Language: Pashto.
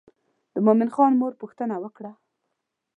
د مومن خان مور پوښتنه وکړه.